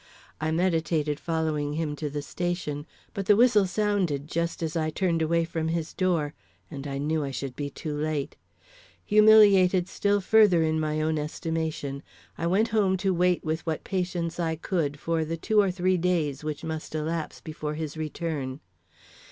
I meditated following him to the station, but the whistle sounded just as I turned away from his door, and I knew I should be too late. Humiliated still further in my own estimation, I went home to wait with what patience I could for the two or three days which must elapse before his return.